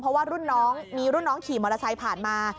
เพราะว่ารุ่นน้องมีรุ่นน้องขี่มอเตอร์ไซค์ผ่านมา